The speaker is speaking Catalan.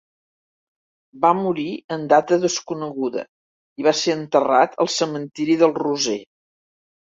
Va morir en data desconeguda i va ser enterrat al cementiri del Roser.